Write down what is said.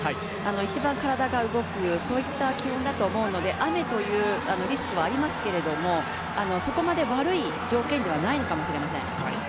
一番体が動く気温だと思うので、雨というリスクはありますけども、そこまで悪い条件ではないのかもしれません。